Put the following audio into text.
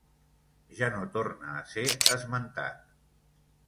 Ja no torna a ser esmentat.